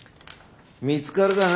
見つかるかな。